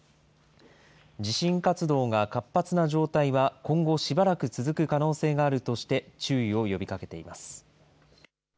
地震活動が活発な状態は今後しばらく続く可能性があるとして、注意を呼びかけています。